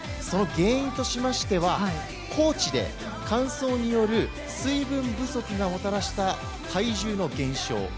その原因としましては、高地で乾燥による水分不足がもたらした体重の減少。